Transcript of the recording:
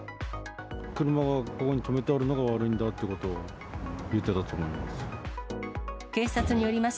車がここに止めてあるのが悪いんだってことを言ってたと思います。